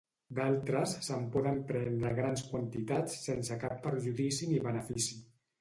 D'altres se'n poden prendre grans quantitats sense cap perjudici ni benefici.